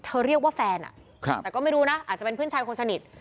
เรียกว่าแฟนแต่ก็ไม่รู้นะอาจจะเป็นเพื่อนชายคนสนิท